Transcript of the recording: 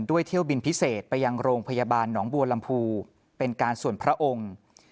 เที่ยวบินพิเศษไปยังโรงพยาบาลหนองบัวลำพูเป็นการส่วนพระองค์